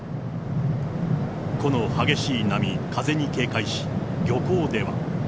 この激しい波、風に警戒し、漁港では。